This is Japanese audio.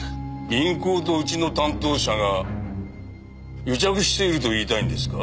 銀行とうちの担当者が癒着していると言いたいんですか？